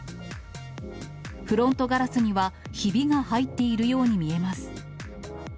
フロントガラスにはひびが入っているように見えます。